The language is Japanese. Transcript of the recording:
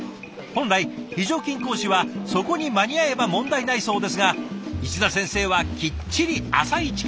本来非常勤講師はそこに間に合えば問題ないそうですが石田先生はきっちり朝一から出勤。